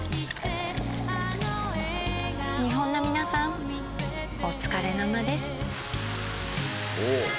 「日本の皆さんおつかれ生です」